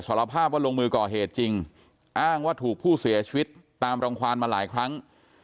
สารภาพว่าลงมือก่อเหตุจริงอ้างว่าถูกผู้เสียชีวิตตามรังความมาหลายครั้ง